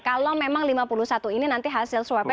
kalau memang lima puluh satu ini nanti hasil swabnya